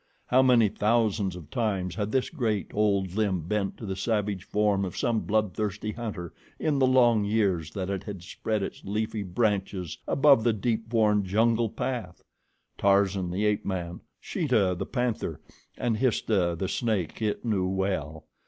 How many thousands of times had this great, old limb bent to the savage form of some blood thirsty hunter in the long years that it had spread its leafy branches above the deep worn jungle path! Tarzan, the ape man, Sheeta, the panther, and Histah, the snake, it knew well.